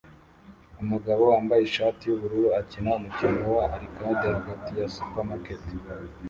Umugabo wambaye ishati yubururu akina umukino wa arcade hagati ya supermarket